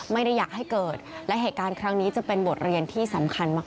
ไม่ได้อยากให้เกิดและเหตุการณ์ครั้งนี้จะเป็นบทเรียนที่สำคัญมาก